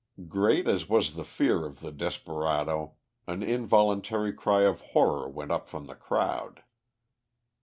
Great as was the fear of the desperado, an involuntary cry of horror went up from the crowd.